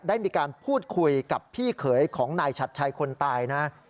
ได้มีการพูดคุยกับพี่เขยของนายชัดชัยคนตายนะ